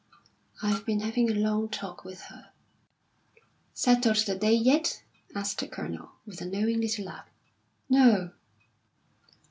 "I've been having a long talk with her." "Settled the day yet?" asked the Colonel, with a knowing little laugh. "No!"